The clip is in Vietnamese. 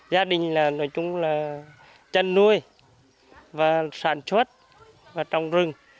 gia đình là chân nuôi sản chuất trồng rừng